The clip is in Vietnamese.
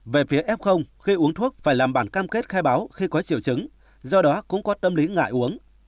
về phía f khi uống thuốc phải làm bản cam kết khai báo khi có triệu chứng do đó cũng có tâm lý ngại uống